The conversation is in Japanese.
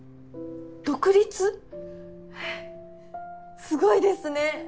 えすごいですね！